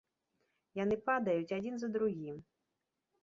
Яны падаюць адзін за другім.